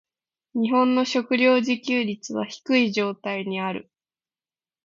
日本の食糧自給率は低い状態にある。